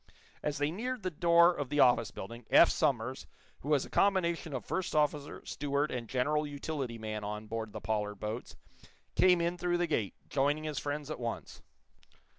As they neared the door of the office building, Eph Somers, who was a combination of first officer, steward and general utility man on board the Pollard boats, came in through the gate, joining his friends at once.